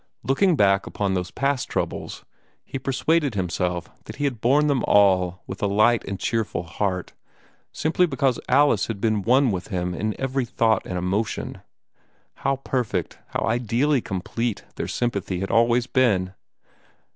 Looking back upon these past troubles, he persuaded himself that he had borne them all with a light and cheerful heart, simply because Alice had been one with him in every thought and emotion. How perfect, how ideally complete, their sympathy had always been!